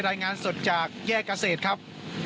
รายงานสดจากแยกเกษตรครับ